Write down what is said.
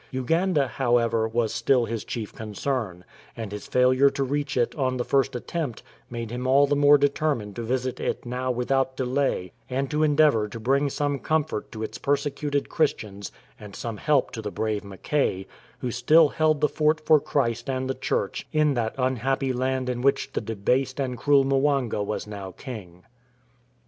Uganda, however, was still his chief concern, and his failure to reach it on the first attempt made him all the more determined to visit it now without delay, and to endeavour to bring some comfort to its persecuted Christians and some help to the brave Mackay, who still held the fort for Christ and the Church in that unhappy land in which the debased and cruel Mwanga was now king.